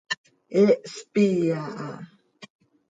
He hspii aha.